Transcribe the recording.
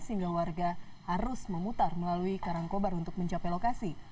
sehingga warga harus memutar melalui karangkobar untuk mencapai lokasi